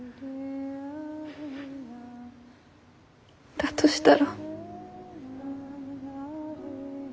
だとしたら。